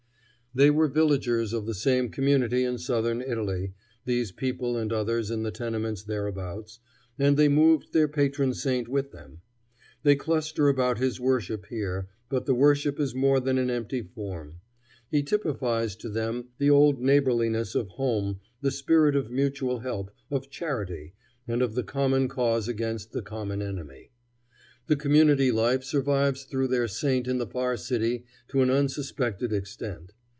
They were villagers of the same community in southern Italy, these people and others in the tenements thereabouts, and they moved their patron saint with them. They cluster about his worship here, but the worship is more than an empty form. He typifies to them the old neighborliness of home, the spirit of mutual help, of charity, and of the common cause against the common enemy. The community life survives through their saint in the far city to an unsuspected extent.